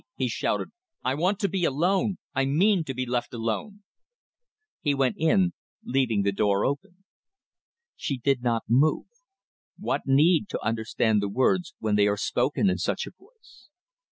he shouted. "I want to be alone I mean to be left alone!" He went in, leaving the door open. She did not move. What need to understand the words when they are spoken in such a voice?